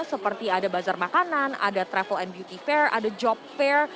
seperti ada bazar makanan ada travel and beauty fair ada job fair